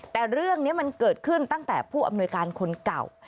แต่เรื่องนี้มันเกิดขึ้นตั้งแต่ผู้อำนวยการคนเก่า